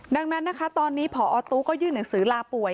ดังนั้นนะคะตอนนี้พอตู้ก็ยื่นหนังสือลาป่วย